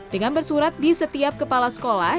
dengan bersurat di setiap kepala sekolah